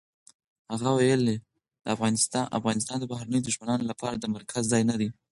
هغه ویلي، افغانستان د بهرنیو دښمنانو لپاره د مرکز ځای نه دی.